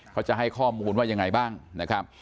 เขาจะให้ข้อมูลว่ายังไงบ้างนะครับ